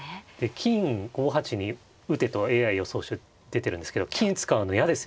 金５八に打てとＡＩ予想手出てるんですけど金使うの嫌ですよね。